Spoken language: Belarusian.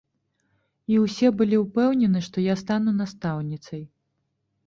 І ўсе былі ўпэўнены, што я стану настаўніцай.